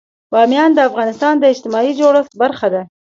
بامیان د افغانستان د اجتماعي جوړښت برخه ده.